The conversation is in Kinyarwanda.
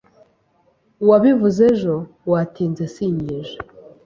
Wabivuze ejo watinze sinkije